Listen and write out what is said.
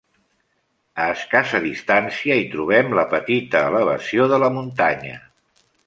A escassa distància hi trobem la petita elevació de la Muntanya.